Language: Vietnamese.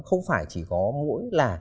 không phải chỉ có mỗi là